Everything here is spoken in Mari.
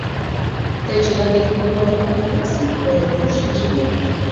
— Тый чыла тидым куваватлан каласе, — ойым пуыш инженер.